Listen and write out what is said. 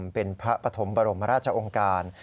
เป็นพระปฐมบรมราชองค์การ